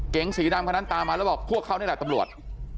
สีดำคนนั้นตามมาแล้วบอกพวกเขานี่แหละตำรวจ